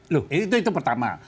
loh itu pertama